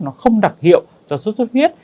nó không đặc hiệu cho số suất huyết